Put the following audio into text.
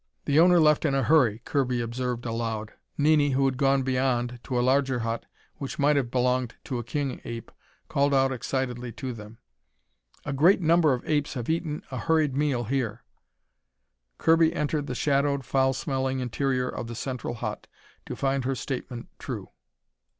"The owner left in a hurry," Kirby observed aloud. Nini, who had gone beyond, to a larger hut which might have belonged to a king ape, called out excitedly to them. "A great number of apes have eaten a hurried meal here!" Kirby entered the shadowed, foul smelling interior of the central hut to find her statement true.